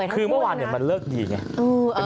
คือเมื่อวานมันเลิกดีไง